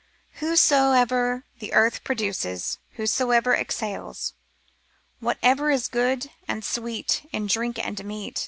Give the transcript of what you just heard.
Whatsoever the earth produces, whatsoever exhales, Whatever is good, and sweet, in drink and meat.